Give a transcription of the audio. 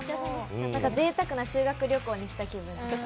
ぜいたくな修学旅行に来た気分でした。